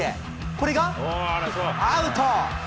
これがアウト。